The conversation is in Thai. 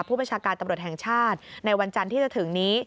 ประชาการตำรวจแห่งชาติในวันจันทร์ที่จะถึงนี้